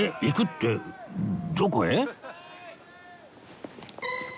行くってどこへ？